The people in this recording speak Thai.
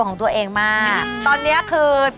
สวัสดีครับ